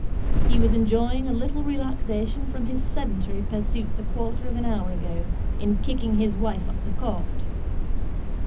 He was enjoying a little relaxation from his sedentary pursuits a quarter of an hour ago, in kicking his wife up the court.